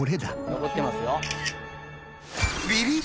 残ってますよ。